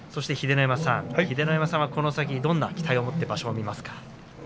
秀ノ山さん、この先どんな期待を持って場所を見ますか？